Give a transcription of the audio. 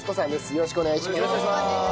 よろしくお願いします。